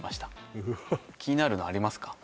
うわっ気になるのありますか？